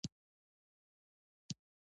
کور د ژوند ملګری دی.